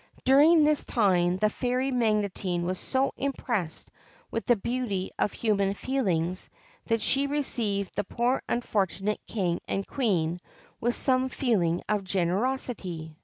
During this time the fairy Magotine was so impressed with the beauty of human feelings, that she received the poor unfortunate King and Queen with some feeling of generosity.